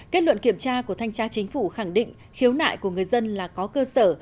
kết luận kiểm tra của thanh tra chính phủ khẳng định khiếu nại của người dân là có cơ sở